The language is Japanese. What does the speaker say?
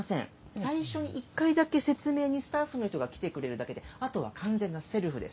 最初の１回だけ説明にスタッフの人が来てくれるだけで、あとは完全なセルフです。